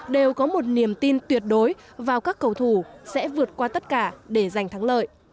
đều có một niềm tin tuyệt đối vào các cầu thủ sẽ vượt qua tất cả để giành thắng lợi